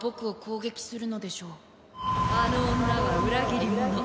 あの女は裏切り者。